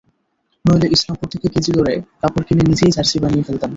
নইলে ইসলামপুর থেকে কেজি দরে কাপড় কিনে নিজেই জার্সি বানিয়ে ফেলতাম।